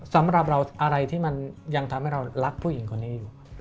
สำหรับเราอะไรที่มันยังทำให้เรารักผู้หญิงคนนี้อยู่